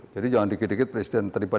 jadi jangan sedikit sedikit presiden terlibat